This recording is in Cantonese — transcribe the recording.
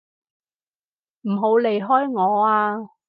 唔好離開我啊！